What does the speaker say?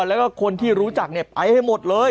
แล้วก็คนที่รู้จักไปให้หมดเลย